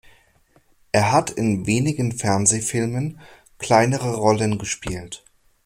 Er hat in wenigen Fernsehfilmen kleinere Rollen gespielt.